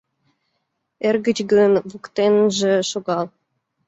— Эргыч гын, воктенже шогал!